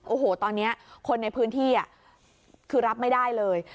โอ้โหตอนนี้คนในพื้นที่คือรับไม่ได้เลย